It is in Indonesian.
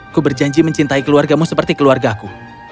aku berjanji mencintai keluargamu seperti keluargaku